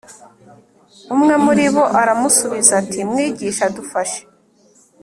Umwe muri bo aramusubiza ati Mwigisha dufashe